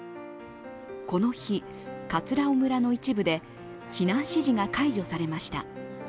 この日、葛尾村の一部で避難指示が解除されました。